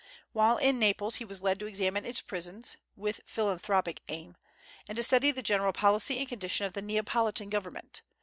While in Naples he was led to examine its prisons (with philanthropic aim), and to study the general policy and condition of the Neapolitan government.